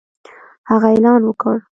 هغه اعلان وکړ